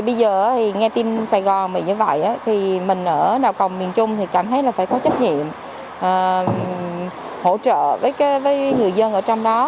bây giờ nghe tin sài gòn bị như vậy thì mình ở đầu cầu miền trung thì cảm thấy là phải có trách nhiệm hỗ trợ với người dân ở trong đó